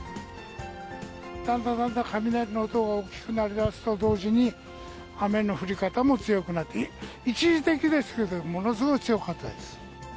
だんだんだんだん雷の音が大きく鳴り出すと同時に、雨の降り方も強くなって、一時的ですけど、ものすごい強かったです。